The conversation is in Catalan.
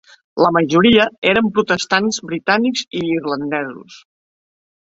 La majoria eren protestants britànics i irlandesos.